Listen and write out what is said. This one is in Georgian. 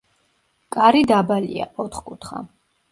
კარი დაბალია, ოთხკუთხა.